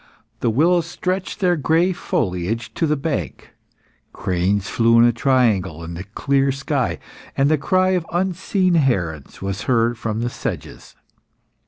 The willows stretched their soft grey foliage to the bank, cranes flew in a triangle in the clear sky, and the cry of unseen herons was heard from the sedges.